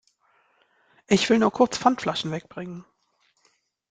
Ich will nur kurz Pfandflaschen weg bringen.